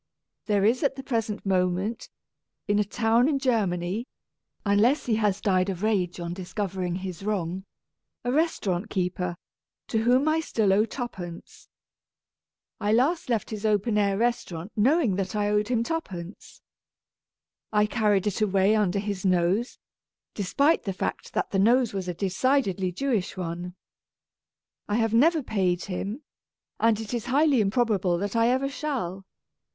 There is at the present moment, in a town in Germany (unless he has died of rage on discovering his wrong), a restaurant keeper to whom I still owe twopence. I last left his open air restaurant knowing that I owed him twopence. I carried it away under his nose, despite the fact that the nose was a decidedly Jewish one. I have never paid him, and it is highly improbable that I ever shall.